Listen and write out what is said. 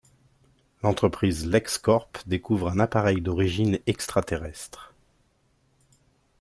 L'entreprise LexCorp découvre un appareil d’origine extra-terrestre.